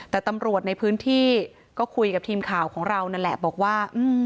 แต่ตำรวจในพื้นที่ก็คุยกับทีมข่าวของเรานั่นแหละบอกว่า